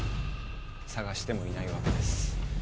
捜してもいないわけです。